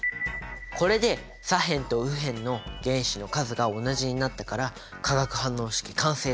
これで左辺と右辺の原子の数が同じになったから化学反応式完成だね！